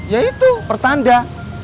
ya itu pertanda